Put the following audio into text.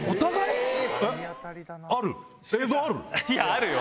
⁉あるよ。